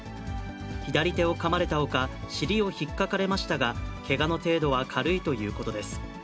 左手をかまれたほか、尻を引っかかれましたが、けがの程度は軽いということです。